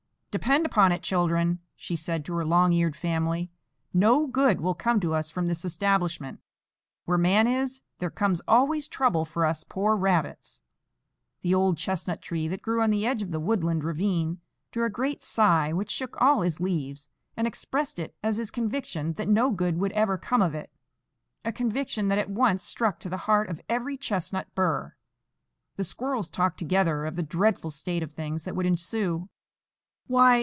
"Depend upon it, children," she said to her long eared family, "no good will come to us from this establishment. Where man is, there comes always trouble for us poor rabbits." The old chestnut tree, that grew on the edge of the woodland ravine, drew a great sigh which shook all his leaves, and expressed it as his conviction that no good would ever come of it,—a conviction that at once struck to the heart of every chestnut burr. The squirrels talked together of the dreadful state of things that would ensue. "Why!"